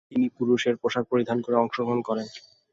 তিনি পুরুষের পোশাক পরিধান করে অংশগ্রহণ করেন।